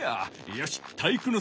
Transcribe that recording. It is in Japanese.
よし体育ノ